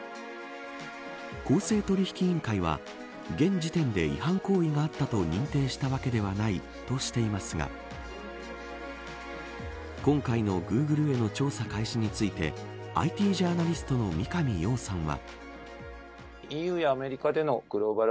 公正取引委員会は現時点で違反行為があったと認定したわけではないとしていますが今回のグーグルへの調査開始についてＩＴジャーナリストの三上洋さんは。